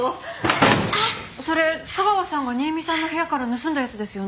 それ架川さんが新見さんの部屋から盗んだやつですよね？